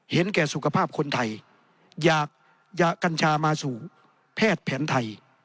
เห็นแก่สุขภาพคนไทยอยากกัญชามาสู่แพทย์แผนไทย